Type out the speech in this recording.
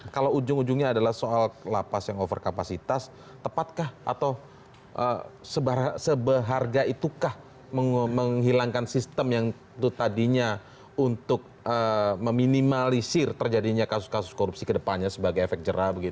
kalau ujung ujungnya adalah soal lapas yang over kapasitas tepatkah atau seberharga itukah menghilangkan sistem yang itu tadinya untuk meminimalisir terjadinya kasus kasus korupsi ke depannya sebagai efek jerah begitu